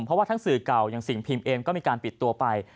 เพราะว่าทั้งสื่อเก่าอย่างสิ่งพิมพ์เองก็มีการปิดตัวไป